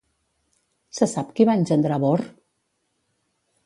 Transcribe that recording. Se sap qui va engendrar Borr?